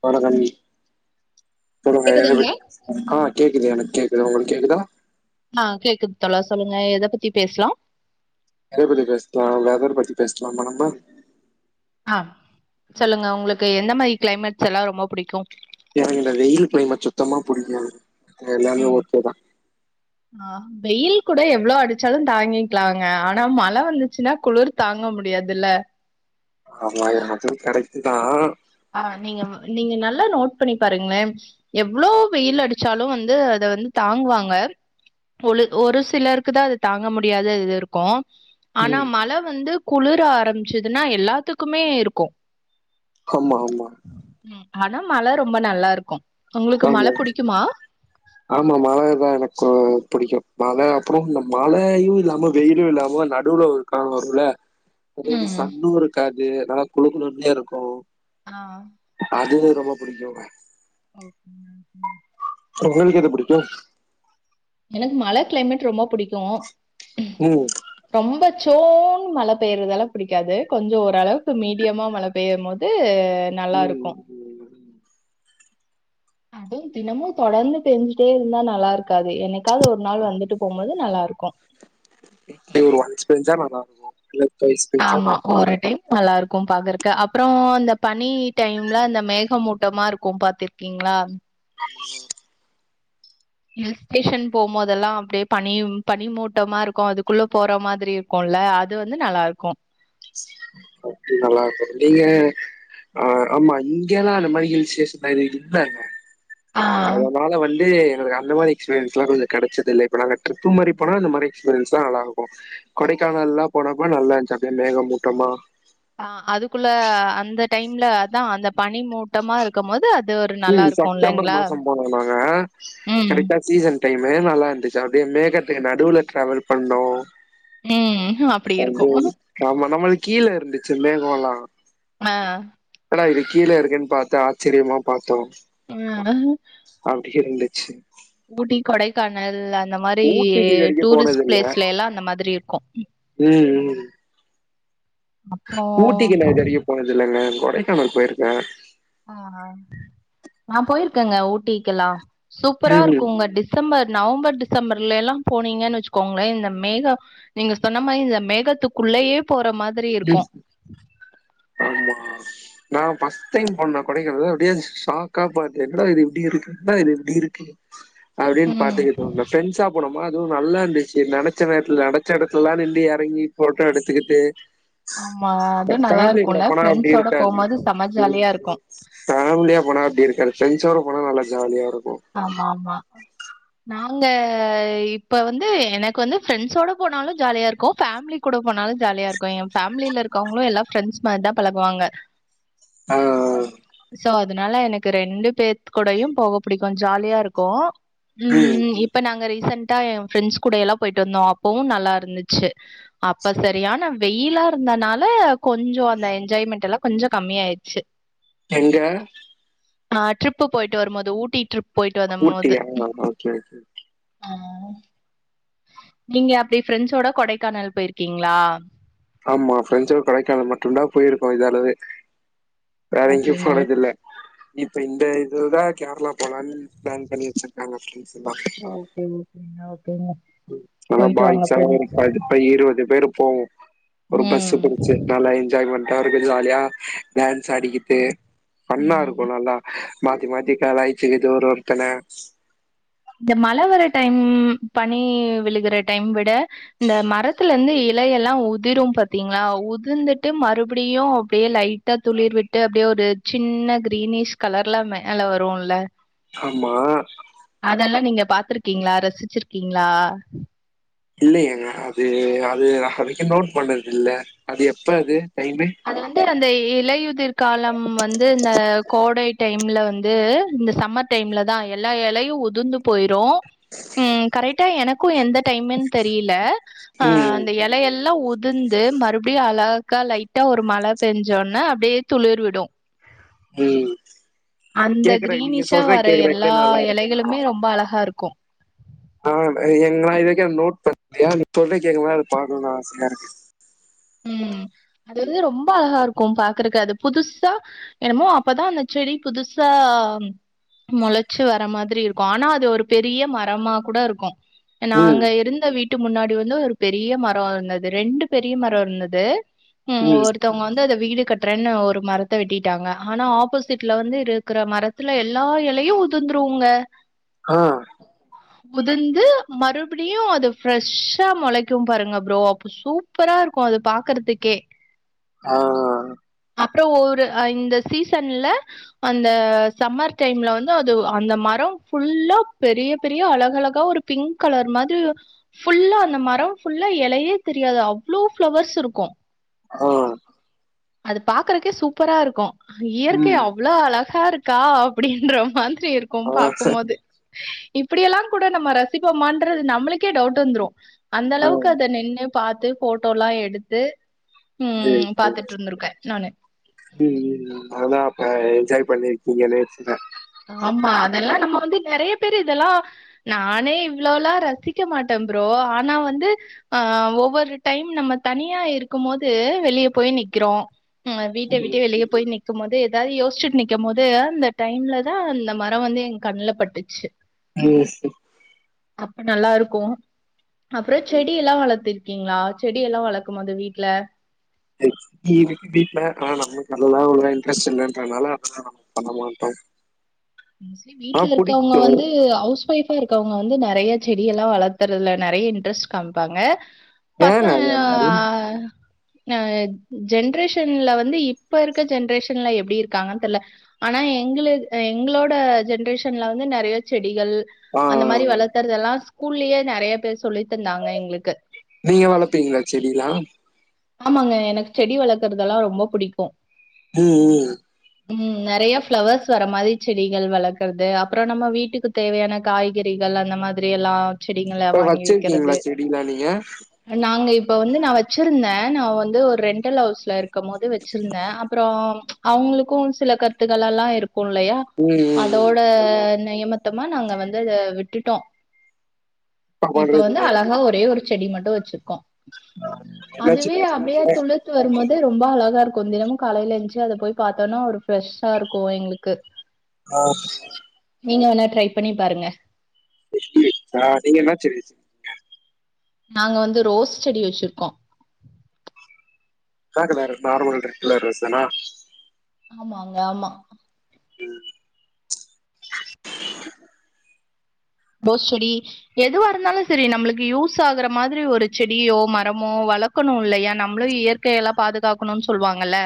போனங்கான்டி சொல்லுங்க எத கேக்குதுங்களா பத்தி பேசலா ஆ கேக்குது எனக்கு கேக்குது உங்களுக்கு கேக்குதா ஆ கேக்குது தோழா சொல்லுங்க எத பத்தி பேஸ்லாம் எத பத்தி பேஸ்லா வெதர் பத்தி பேசலாமா நம்ப ஆ சொல்லுங்க உங்ளுக்கு எந்த மாரி கிளைமேட்ஸ் எல்லா ரொம்ப புடிக்கு எனக்கு வெயில் கிளைமேட் சுத்தமா புடிக்காது எல்லாமே ம் ஓகே தா ஆ வெயில் கூட எவ்ளோ அடிச்சாலு தாங்கிக்லாங்க ஆனா மழ வந்துச்சுனா குளிர் தாங்க முட் முடியாதில்ல ஆமா எ அதுவு கரெக்டுதா ஆ நீங்க நீங்க நல்லா நோட் பண்ணி பாருங்ளே எவ்ளோ வெயில் அடிச்சாலு வந்து அத த வந்து தாங்குவாங்க ஒலு ஒரு சிலருக்கு தா அத தாங்க முடியாத இது இருக்கு ஆனா ம் மழ வந்து குளுர ஆரம்பிச்சுதுனா எல்லாத்துக்குமே இருக்கு ஆமா ஆமா ம் ஆனா மழ ரொம்ப நல்லா இருக்கு உங்களுக்கு மழ புடிக்குமா ஆமாமா மழ தா எனக்கு புடிக்கு மழ அப்றோ இந்த மழயு இல்லாம வெயிலு இல்லாம நடுவுல ஒருக்கால வருல்ல அது வந்து ம் சன்னு இருக்காது நல்லா குழு குழுன்னே இருக்கு ஆ. அதுவு ரொம்ப புடிக்கு ஓகே ஓகே உங்களுக்கு எது புடிக்கு எனக்கு மழ கிளைமேட் ரொம்ப புடிக்கு ம் ரொம்ப சோன் மழ பெய்றதல புடிக்காது கொஞ்ச ஓரளவுக்கு மீடியமா மழ பெய்யமோது அ நல்லா இருக்கு ம் அது தினமு தொடர்ந்து பேஞ்சிட்டே இருந்தா நல்லா இருக் காது என்னைக்காவது ஒரு நாள் வந்துட்டு போகும்போது நல்லா இருக்கு பேஞ்சா நல்லாருக்கு இல்லை ஆமா ஒரு டைம் நல்லா இருக்கு பாக்குறக்க அப்றோ அந்த பனி டைம்ல அந்த மேகமூட்டமா இருக்கு பாத்திர்கீங்ளா ஆ [unintelligible] ஹில்ஸ்டேஷன் போவ்மோதெல்லா அப்டியே பனி பனி மூட்டமாருக்கு அதுக்குள்ள போற மாதிரி இருக்குல் ல அது வந்து நல்லா இருக்கு அப்டி நல்லாருக்கு நீங்க ஆ ஆமா இங்கெல்லா அந்த மாரி ஹில் ஸ்டேஷன்ல இல்ல இங்க ஆ. அதனால வந் தே எனக்கு அந்த மாரி எக்ஸ்பீரியன்ஸ்லா கொஞ்ச கெடச்சதில்ல இப்ப நாங்க சிரிப்பு மாரி போனா அந்த மாரி எக்ஸ்பீரியன்ஸ் தா நல்லாருக்கு கொடைக்கானல்லா போனப்ப நல்லா இருந்ச்சு அப்டியே மேகமூட்டமா அ அதுக்குள்ள அந்த டைம்லதா அந்த பனி மூட்டமா இருக்கமோது ம் செப்டம்பர் மாசோ போனோ நாங்க ம் கரைட்டா சீசன் செரி மேனால்லா இருந்துச்சா அப்டியே மேகத்துக்கு நடுவுல டிராவல் பண்ணோ ம் அப்டி இருக்கு அது ஆமா நம்மள்க் கீழ இருந்துச்சி மேகோல்லா ஆ என்னடா இது கீழ இருக்குன் பாத்தா ஆச்சிரியமா பாத் ம் இருந்துச்சி ஊட்டி கொடைக்கானல் அந் இந்த மாரி ஊட்டிக்கு இது வரைக்கும் டூரிஸ் போனது இல்ல. பிளேஸ்ல எல்லா அந்த மாதிரி இருக்கு ம், ம். ஓ ஊட்டிக்கு நா இதுவரைக்கு போனது இல்லங்க கொடைக்கானல் போய்ருக்க ஆஹா நா போய்ருக்கங்க ஊட்டிக்கெல்லா சூப்பரா ம், இருக்குங்க டிசம்பர் நவம்பர் டிசம்பர்ல எல்லா போனீங்கன் வச்சுக்கோங்களே இந்த மேக நீங்க சொன்ன மாரி இந்த மேகத்துக்குள்ளயே போற மாதிரி இருக்கு ஆமா நா ஃபஸ்ட் டைம் போனா கொடைக்கானல் அப்டியே சாக்கா பாத்தே என்னடா இது இப்டி இருக்கு என்னடா இது இப்டி இருக்கு அப்டின் ம் பாத்துக்க தோனு ஃப்ரெண்ஸா போனோமா அதுவு நல்லாந்துச்சி நெனச்ச நேரத்ல நெனச்ச எடத்துல்லா நின்னு எறங்கி ஃபோட்டோ எடுத்துக்கிட்டு ஆமா அதுவு நல்லா ஃபேமிலி கூட இருக்குல்ல போனா அப்படி ஃப்ரெண்ஸோட போம்போது சம ஜாலியா இருக்கு ஃபேம்லியா போனா அப்டி இருக்காது ஃப்ரெண்ஸோட போனா நல்லா ஜாலியா இருக் ஆமா ஆமா நாங்க இப்ப வந்து எனக்கு வந்து ஃப்ரெண்ஸோட போனாலு ஜாலியா இருக்கு ஃபேம்லி கூட போனாலு ஜாலியா இருக்கு ஏ ஃபேம்லில இருக்கவங்களு எல்லா ஃப்ரெண்ட்ஸ் மாரிதா பழகுவாங்க ஆ ஆ அதுனால எனக்கு ரெண்டு பேத்துக் கூடையும் போக புடிக்கு ஜாலியா இருக்கு ம் ம் ம் இப்ப நாங்க ரி சண்ட்டா ஏ ஃப்ரெண்ஸ் கூடயெல்லா போய்ட்டு வந்தோ அப்பவு நல்லா இருந்துச்சி அப்ப சரியான வெயிலா ஆ இருந்தனால கொஞ்சொ அந்த என்ஜாய்மெண்ட்டெல்லா கொஞ்சொ கம்மியாயிட்ச்சி எங்க நா ட்ரிப்பு போயிட்டு வரும்போது ஊட்டி ட்ரிப் போயிட்டு வந்தம் மோது ஊட்டியா? Okay, okay. நீங்க அப்டி ஃப்ரெண்ஸோட கொடைக்கானல் போயிருக்கீங்ளா ஆமா ஃப்ரெண்ஸோட கொடைகானல் மட்டுந்தா போயிருக்கோ இதாளவே வேற எங்கியும் ஓகேங்க போனதில்ல இப்ப இந்த இதுதா கேர்ளா போலான் ப்ளான் பண்ணி வச்சிருக்காங்க ஃப்ரெண்ஸ் ஓகேங் ஓ நல்லா பாய்ஸா ஒரு பதி ப இருவது பேரு போவோ ஒரு பஸ்ஸு ம் புடிச்சி நல்லா என்ஜாய்மெண்ட்டா இருக்கு ஜாலியா டான்ஸ் ஆடிக்கிட்டு ஃபண்ணா ம் இருக்கு நல்லா மாத்தி மாத்தி கலாய்ச்சிக்கிட்டு ஒரு ஒருத்தன இந்த மழ வர டைம் பனி விழுகுற டைம் விட இந்த மரத்துலர்ந்து எ லையெல்லா உதிரு பாத்தீங்ளா உதுந்துட்டு மறுப்டியு அப்டியே லைட் டா துளிர் விட்டு அப்டியே ஒரு சின்ன க்ரீனீஷ் கலர்ல மேல வருல்ல ஆமா அதெல்லா நீங்க பாத்ருக்கீங்ளா ரசிச்சிருக்கீங்ளா இல்லையேங்க அது அது அது வுக்கு நோட் பண்ணதில்ல அது எப்ப அது டைமு அது வந்து அந்த இலையுதிர்காலம் வந்து இந்த கோடை டைம்ல வந்து இந்த சம்மர் டைம்லதா எல்லா எலையு உதுந்து போயிரு ம் கரைட்டா எனக் கு எந்த டைமென் தெரியில ஆ ம் அந்த எலையெல்லா உ துந்து மறுப்டியு அழகா லைட்டா ஒரு மழ பெஞ்ச ஒன்ன அப்டியே துளிர் விடு ம் அந்த கேக்குறக் நீங்க கிரீனிஷா சொல்ற வர கேக்குறக்கே எல்லா நல்லா இருக்குக்கா எலைகளுமே ரொம்ப அழகா இருக்கு ஆ அ எங்ளா இதுவக்கு நோட் [inaudible] நீ சொல்றக் கேக்கம் போது அத பாக்கணுனு ஆசையா இருக்கு ம் அது வந்து ரொம்ப அழஹா இருக் கு பாக்குறக்கு அது புதுசா என்னமோ அப்பதா அந்த செடி புதுசா மொளச்சு வர மாதிரி இருக்கு ஆனா அது ஒரு பெரிய மரமா கூட இருக்கு ம், நாங்க இருந்த வீட்டு முன்னாடி வந்து ஒரு பெரிய மரொ இருந்துது ரெண்டு பெரிய மரொ இருந்துது ம் ஒருத்தவங்க வந்து அத வீடு கட்றேன்னு ஒரு மரத்த வெட்டிட்டாங்க ஆனா ஆப்போசிட்ல வந்து இருக்குற மரத்துல எல்லா எலையு உதுந்த்ருங்க ஆ உத்ந்து மறுப்பிடியு அது ஃப்ரெஷ்ஷா மொளைக்கும் பாருங்க ப்ரோ அப்ப சூப்பரா இரு க்கு அத பாக்குறத்துக்கே ஆ அப்றொ ஒவ்வொரு அ இந்த சீசன்ல அந்த சம்மர் டைம்ல வந்து அது அந்த ம ரொ ஃபுல்லா பெரிய பெரிய அழக அழகா ஒரு பிங்க் கலர் மாதிரி ஃபுல்லா அந்த மரொ ஃபுல்லா எலையே தெரியாது அவ்ளோ ஃப்ளவர்ஸ் இருக்கு ஆ அது பாக்குறக்கே சூப்பரா இருக்கு இயற்கை ம், அவ்ளோ அழகா இருக்கா அப்டின்ற மாதி ரி இருக்கு ஆ, சரி பாக்கும்போது இப்பிடியெல்லாம் கூட நம்ம ரசிப்போமான்றது நம்மளுக்கே டவுட் வந்துரு அந்த ஆ, அளவுக்கு அத நின்னு பாத்து ஃபோட்டோல்லா எடுத்து சேர் ம் சேர் பாத்துட்டு இருந்திருக்கே நானு ம் ம் ம் அதா அப்ப ஜாய் பண்ணீர்க்கீங்க நேச்சர ஆமா அதெல்லா நம்ம வந்து நெறைய பேர் இதெல்லா நானே இவ்ளோல்லா ரசிக்க மாட்டம் ப்ரோ ஆனா வந்து அ ஒவ்வொரு டைம் நம்ம தனியா இருக்கும் போது வெளிய போய் நி க்கிறோ ம் வீட்ட விட்டு ம், வெளிய போய் நிக்கும் போது எதாவது யோசிச்ட்டு நிக்கம் போது அந்த டைம்ல னா அந்த மரொ வந்து எங் கண்ல பட்டுச்சு ம், அப்ப நல்லாருக் க்கு அப்றோ ம். செடி எல்லா வளத்துருக்கீங்ளா செடி எல்லா வளக்கும் போது வீட்ல [unintelligible] வீ வீட்ல ஆஹ் நம்மக்கு அதெல்லா அவ்வளவா இன்ட்ரெஸ்ட் இல்லன்றதுனால அதெல்லாம் ந [unintelligible] பண்ண மாட்டே மோஸ்ட்லி வீட்ல இருக்கவங்க வந்து ஹவுஸ் ஒய்ஃபா இருக்கவங் நா வந்து நெறைய செடியெல்லா வளத்துறதுல நெறைய இன்ட்ரெஸ்ட் காமிப்பாங்க ஏங்க அது பசங்க அந்த மாரி? ஆ எ ஜென்ரேஷன்ல வந்து இப்ப இருக்க ஜென்ரேஷன்ல எப்டி இருக்காங்கன் தெர்ல ஆனா எ எங்களுது எங் ங்களோட ஜென்ரேஷன்ல வந்து நெறைய செடிகள் ஆ, ஆ, அந்த மாரி ஆ. வளர்க்கறதெல்லா ஸ்கூல்லயே நெறைய பேர் சொல்லித் தந்தாங்க எங்ளுக்கு நீங்க வளர்ப்பீங்களா செடிலாம்? ஆமாங்க எனக்கு செடி வளக்குறதெல்லா ரொம்ப புடிக்கு அ அ ம் நெறைய ஃபிளவர்ஸ் வர மாதிரி செடிகள் வளக்குறது அப்பறோ நம்ம வீட்டுக்கு தேவையான காய்கறிகள் கள்ளா அந்த மாதிரி எல்லாம் செடிங்கள இப்ப வாங்கி வெக்கிறது வச்சிருக்கீங்களா செடிலாம் நீங்க? நாங்க இப் ளோ வந்து நா வச்சிருந்தே நா வந்து ஒரு ரென்டல் ஹவுஸ்ல இருக்கம் போது வச்சிருந்த அப்றோ அவுங்களுக்கும் சில கருத்துக்கள் எல்லா இருக்கு இல்லயா ம் ம் ம் அதோட ஆமா நியமத் தமா நாங்க வந்து அத விட்டுட்டோ அப்பா இப்ப வந்து பண்றதுலே அழகா ஒரே ஒரு செடி மட் டு வச்சிருக்கோ [inaudible] அதுவே அப்டியே துளுர்த்து வரும்போது ரொம்ப அழகாருக் கொஞ் தினமும் காலையில எந்ச்சு அதப் போய் பாத்தோனா ஒரு ஃப்ரெஷ்ஷா இருக்கு எங்ளுக்கு அ நீங்க எதுனா ட்ரை பண்ணிப் பாருங்க. [inaudible] நீங்க என்ன செடி வச்சிருக்கீங்க நாங்க வந்து ரோஸ் செடி வச்சிருக்கோ. என்னா colour normal red colour rose தானா ஆமாங்க ஆமா [inaudible] போஸ் செடி எதுவா இருந்தாலு செரி நம்மளுக்கு யூஸ் ஆகுற மாதிரி ஒரு செடியோ மரமோ வளக்கணு இல்லையா நம்மளு இயற்கையெல்லா பாதுகாக்கணுன் சொல்வாங்கல்ல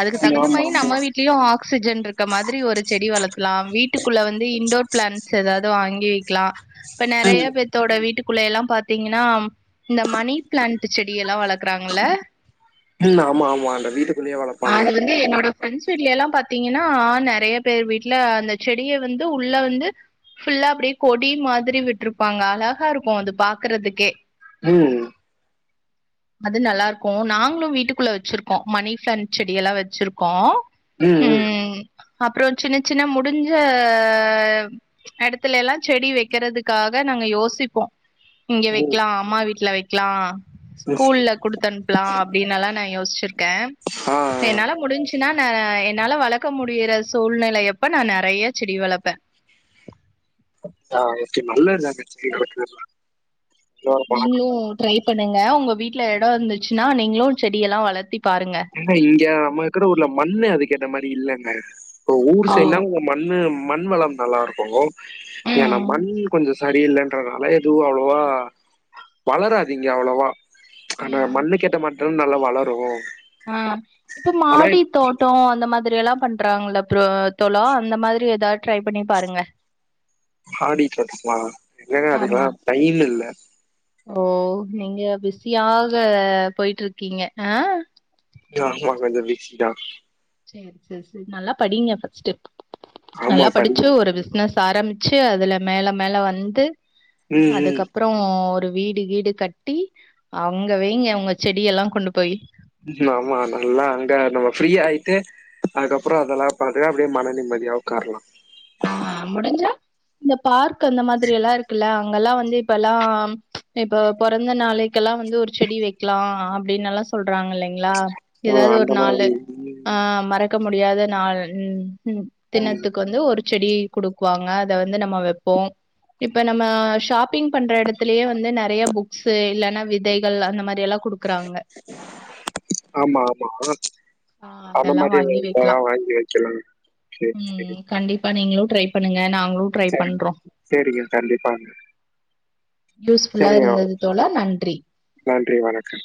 அதுக்கு ம் தகுந்த ஆமா மாரி ஆமா நம்ம வீட்லயு ஆக்சிஜன் இருக்க மாதிரி ஒரு செடி வளர்த்தலா வீட்டுக்குள்ள வந்து இண்டோர் பிளான்ட்ஸ் எதாவ்து வாங்கி அ இப்ப நெறைய ம் பேத்தோட வீட்டுக்குள்ளேல்லா பாத்தீங்கன்னா இந்த மணி பிளான்ட் செடி எல்லா‌ வளக்குறாங்கள. ம் ஆமா அந்த வீட்டுக்குள்ளயே வளர்ப்பாங்க ஃப்ரண்ட்ஸ் வீட்ல எல்லா பாத்தீங்கன்னா நெறைய பேர் வீட்ல அந்த செடிய வந்து உள்ள வந்து ஃபுல்லா அப்டியே கொடி மாதிரி விட்டுருப்பாங்க அழகா இருக்கு அது பாக்குறதுக்கே ம் அது நல்லாருக்கு நாங்களு வீட்டுக்குள்ள வச்சிருக்கோ மணி ஃபிளான்ட் செடியெல்லா வச்சிருக்கோ ம் ம் அப்றோ சின்ன சின்ன முடிஞ்ச எடத்துலயெல்லா செடி வெக்கறதுக்காக நாங்க யோசிப்போ இங்க ம் வெக்லா அம்மா வீட்ல வெக்லா எஸ் ஸ்கூல்ல குடுத்தனுப்லா அப்டின்னல்லா நா யோசிச்சுருக்கே ஆ என்னால முடிஞ்ச்சுனா நா என்னால வளக்க முடியிற சூழ்நிலயப்ப நா நறய செடி வளப்பே ஆஹ் ஓகே நல்லதுதாங்க செடி வளக்குறதுலா நீங்ளு ட்ரை பண்ணுங்க உங்க வீட்ல எடோ இருந்துச்சுன்னா நீங்ளு செடியெல்லா வளத்தி ஏன்னா இங்க நம்மிருக்குற ஊர்ல மண்ணு அதுக்கேத்த மாரி இல்லங்க இப்ப ஊர் ஆ. சைட்னா உங்க மண்ணு மண் வளம் நல்லாருக்கு என்னா ம். மண் கொஞ்சோ சரியில்லன்றதுனால எதுவு அவ்ளோவா வளராது இங்க அவ்ளோவா ஆனா மண்ணு கேட்ட மாட்டா நல்லா வளரூ ஆஹ் இப்ப மாடி தோட்டோ அந்த மாதிர் டி எல்லா பண்றாங்கல்ல ப்ரோ தோழா அந்த மாதிரி எதாது ட்ரை பண்ணி பாருங்க மாடி‌ தோட்டமா இல்லங்க அதுக்கல்லா ஆமா டைம் இல்ல ஓ நீங்க பிசியாக போய்ட்டுருக்கீங்க ஆஹ் ஆமா‌ கொஞ்சோ பிசி தா சேர் சேர் சேரி நல்லா படிங்க ஃபர்ஸ்ட்டு ஆமா நல்லா படிச்சு படிக்கணு ஒரு பிஸ்னஸ் ஆரம்ச்சு அதுல மேல மேல வந்து ம் ம் அதுக்கப்றோ ஒரு வீடு கீடு கட்டி அங்க வைங்க உங்க செடியெல்லா கொண்டு போயி ஆமா நல்லா அங்க நம்ம ஃப்ரீயாய்ட்டு அதுக்கப்றோ அதல்லாபாத்துதா அப்டியே மன நிம்ம சரியா உக்காரலா ஆஹ் முடிஞ்சா இந்த பார்க் அந்த மாதிரி எல்லா இருக்குல்ல அங்கெல்லா வந்து இப்பல்லா இப்ப பொறந்த நாளைக்கெல் எல்லா வந்து ஒரு செடி வெக்லா அப்டின்னல்லா சொல்றாங் இல்லைங்களா ஓ எதாது அந்த ஒரு நாளு மாரி ம் ஆஹ் மறக்க முடியாத நாள் ம் ம் ம். தின்னத்துக்கு வந்து ஒரு செடியை குடுக்குவாங்க அத வந்து நம்ம வெப்போ இப்ப நம்ம ஷாப்பிங் பண்ற எடத்துலயே வந்து நறையா புக்ஸ்ஸூ இல்லன்னா விதைகள் அந்த மாரி எல்லா குடுக்குறாங்க ஆமா ஆமா அந்த அதெல்லா மாரி வாங்கி வைக்கலா இதல்லா வாங்கி வெக்கலா ம் கண்டிப்பா நீங்களு ட்ரை பண்ணுங்க நா ங்ளு ட்ரை சேரி பண்றோ சேரிங்க கண்டிப்பாங்க யூஸ்ஃபுல்லா சேரிங்க இருந்தது தோழா நன்றி நன்றி வணக்கம்